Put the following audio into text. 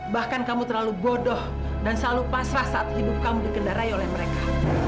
bahkan kamu terlalu bodoh dan selalu pasrah saat hidup kamu dikendarai oleh mereka